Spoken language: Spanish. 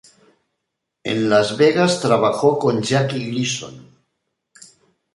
En Las Vegas trabajó con Jackie Gleason.